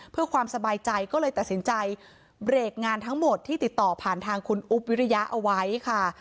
เพื่อความสบายใจก็เลยตัดสินใจเบรกงานทั้งหมดที่ติดต่อผ่านทางคุณอุ๊บวิริยะเอาไว้ค่ะ